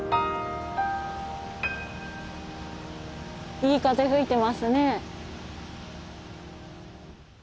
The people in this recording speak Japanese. いい風吹いてますね。